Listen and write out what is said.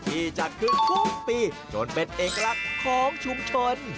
จัดขึ้นทุกปีจนเป็นเอกลักษณ์ของชุมชน